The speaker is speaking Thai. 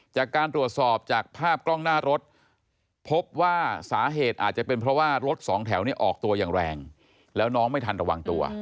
จากการตรวจสอบจากภาพกล้องหน้ารถพบว่าสาเหตุอาจจะเป็นเพราะว่ารถสองแถวเนี่ยออกตัวอย่างแรงแล้วน้องไม่ทันระวังตัว